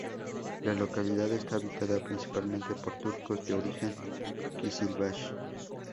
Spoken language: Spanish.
La localidad está habitada principalmente por turcos de origen "qizilbash".